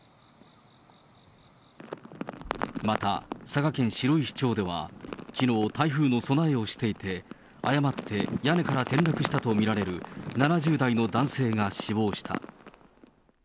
また、佐賀県白石町では、きのう、台風の備えをしていて、誤って屋根から転落したと見られる、７０代の男性が死亡した。